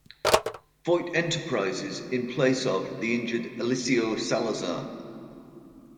Foyt Enterprises in place of the injured Eliseo Salazar.